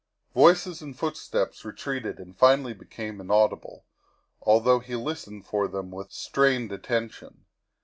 Voices and footsteps retreated and finally became in audible, although he listened for them with strained at tention.